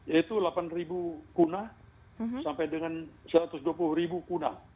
yaitu delapan kuna sampai dengan satu ratus dua puluh ribu kuna